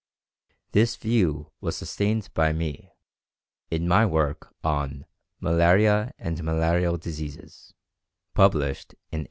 This view was sustained by me, in my work on "Malaria and Malarial Diseases," published in 1883.